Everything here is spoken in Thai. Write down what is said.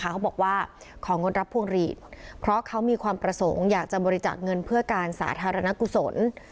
เขาบอกว่าของงดรับพวงหลีดเพราะเขามีความประสงค์อยากจะบริจาคเงินเพื่อการสาธารณกุศล